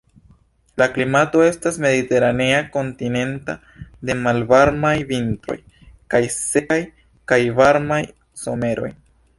La klimato estas mediteranea kontinenta de malvarmaj vintroj kaj sekaj kaj varmaj someroj.